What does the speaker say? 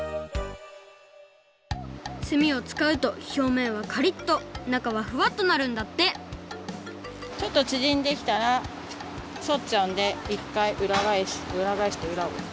すみをつかうとひょうめんはカリッとなかはフワッとなるんだってちょっとちぢんできたらそっちゃうんでいっかいうらがえしてうらを。